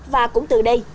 và cũng từ đây